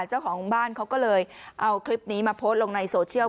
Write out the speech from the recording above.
เจ้าของบ้านเขาก็เลยเอาคลิปนี้มาโพสต์ลงในโซเชียล